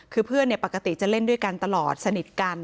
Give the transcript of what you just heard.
คือเพื่อนปกติจะเล่นด้วยกันตลอดสนิทกัน